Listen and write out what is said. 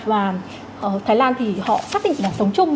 và ở thái lan thì họ xác định là sống chung